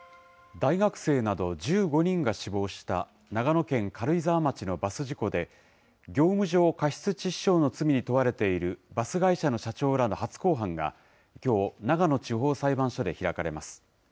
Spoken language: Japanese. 大学生など１５人が死亡した長野県軽井沢町のバス事故で、業務上過失致死傷の罪に問われているバス会社の社長らの初公判がきょう、長野地方裁判所で開かれます。